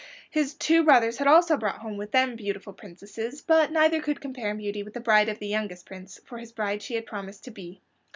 His two brothers had also brought home with them beautiful princesses, but neither could compare in beauty with the bride of the youngest Prince; for his bride she had promised to be.